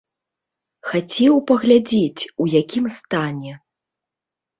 Хацеў паглядзець, у якім стане.